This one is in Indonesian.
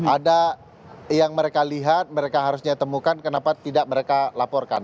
ada yang mereka lihat mereka harusnya temukan kenapa tidak mereka laporkan